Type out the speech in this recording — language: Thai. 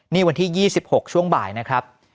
นี่วันที่๒๖ช่วงบ่ายนะครับ